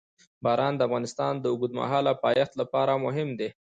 باران د افغانستان د اوږدمهاله پایښت لپاره مهم دی.